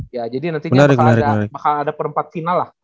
ya jadi nantinya bakal ada perempat final lah